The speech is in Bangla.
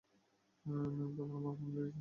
মিং, তোমার মা ফোন দিয়েছে।